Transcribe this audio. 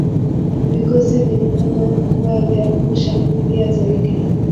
vikosi vilipangwa kuwa vya kushambulia zaidi